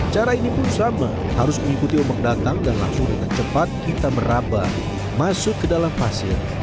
cara ini pun sama harus mengikuti ombak datang dan langsung dengan cepat kita meraba masuk ke dalam pasir